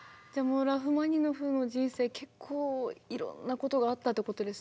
ラフマニノフの人生結構いろんなことがあったってことですね。